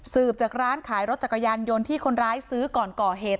จากร้านขายรถจักรยานยนต์ที่คนร้ายซื้อก่อนก่อเหตุ